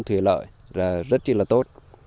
thủy lợi là rất là tốt